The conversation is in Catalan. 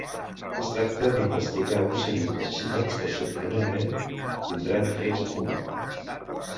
Es tracta d'investigar un seguit d'assassinats que sorprenentment tindran trets en comú.